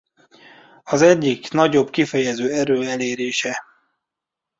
Az egyik nagyobb kifejező erő elérése.